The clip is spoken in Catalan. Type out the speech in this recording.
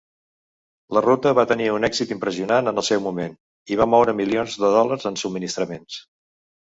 La ruta va tenir un èxit impressionant en el seu moment, i va moure milions de dòlars en subministraments.